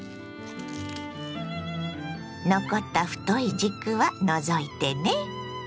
残った太い軸は除いてね。